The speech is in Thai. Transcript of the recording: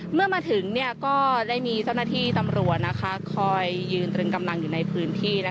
เมื่อมาถึงก็ได้มีเจ้าหน้าที่ตำรวจคอยยืนตรึงกำลังอยู่ในพื้นที่